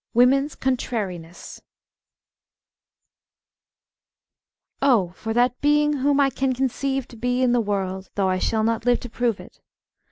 Woman's " Contrariness " Oh ! for that Being whom I can conceive to be in the world, though I shall not live to prove it.